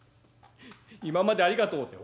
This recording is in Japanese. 今までありがとう」。